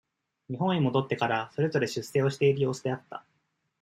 日本へ戻ってから、それぞれ、出世をしている様子であった。